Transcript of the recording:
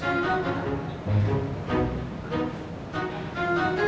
belom sabaran apa